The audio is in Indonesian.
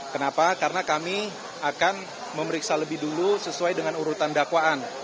kenapa karena kami akan memeriksa lebih dulu sesuai dengan urutan dakwaan